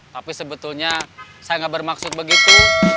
tapi sebetulnya saya gak bermaksud begitu